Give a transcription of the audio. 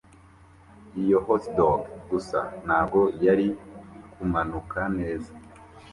Iyo hotdog gusa ntabwo yari kumanuka neza